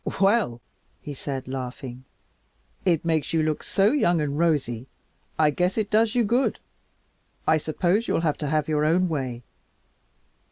"Well," he said, laughing, "it makes you look so young and rosy I guess it does you good. I suppose you'll have to have your own way."